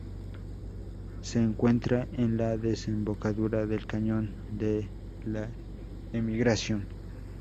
Se encuentra en la desembocadura del Cañón de la Emigración.